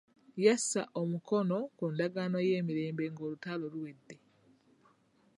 Yassa omukono ku ndagaano y'emirembe ng'olutalo luwedde .